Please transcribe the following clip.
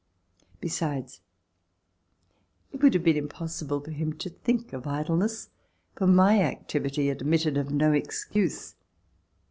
Besides, it would have been impossible for him to think of idleness, for my activity admitted of no excuse.